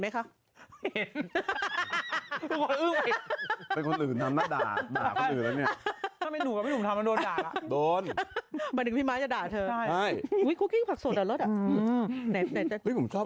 กลับอีกแปบ